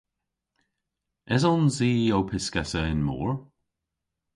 Esons i ow pyskessa yn mor?